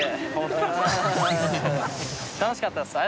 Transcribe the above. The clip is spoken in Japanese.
楽しかったです